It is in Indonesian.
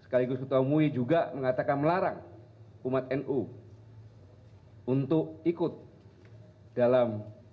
sekaligus ketua umum juga mengatakan melarang umat nu untuk ikut dalam sebelas dua